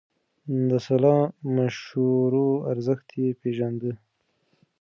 د سلا مشورو ارزښت يې پېژانده.